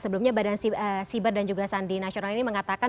sebelumnya badan siber dan juga sandi nasional ini mengatakan